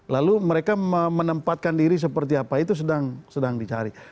lalu mereka menempatkan diri seperti apa itu sedang dicari